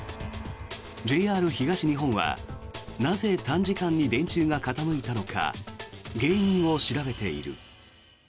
ＪＲ東日本はなぜ短時間に電柱が傾いたのか原因を調べている。